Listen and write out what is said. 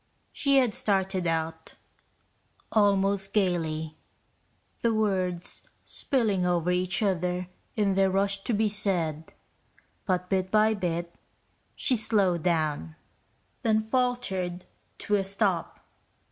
She had started out almost gaily, the words spilling over each other in their rush to be said, but bit by bit she slowed down, then faltered to a stop.